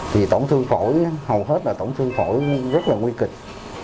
thì tổng thương phổi hầu hết là tổng thương phổi rất là nguy kịch